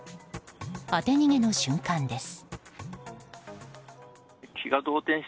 当て逃げの瞬間です。